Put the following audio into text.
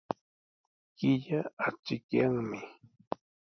Killa achikyanmi.